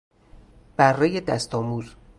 برهی دست آموز